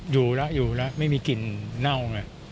อยู่แล้วอยู่แล้วไม่มีกลิ่นเน่าเลย